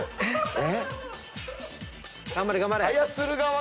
えっ？